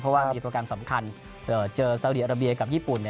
เพราะว่ามีโปรแกรมสำคัญเจอซาวดีอาราเบียกับญี่ปุ่น